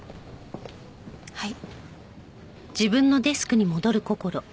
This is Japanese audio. はい。